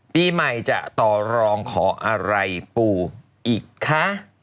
ปีใหม่จะต่อรองขออะไรปู่อีกคะ